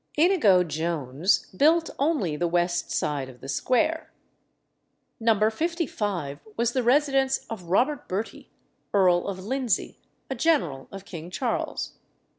Inigo Jones built only the west side of the square. No. 55 was the residence of Robert Bertie, Earl of Lindsey, a general of King Charles.